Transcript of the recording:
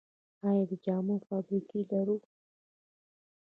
آیا د جامو فابریکې لرو؟